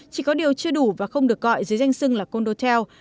chỉ có điều chưa đủ và không được gọi dưới danh sưng là condotel